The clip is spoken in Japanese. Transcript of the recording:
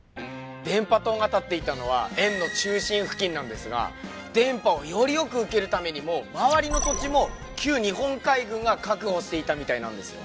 電波塔が立っていたのは円の中心付近なんですが電波をよりよく受けるためにもまわりの土地も旧日本海軍が確保していたみたいなんですよ